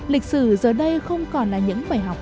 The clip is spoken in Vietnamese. lịch sử giờ đây không còn là những bài học